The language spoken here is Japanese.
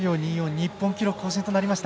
日本記録更新となりました。